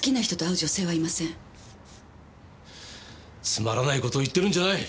つまらない事を言ってるんじゃない！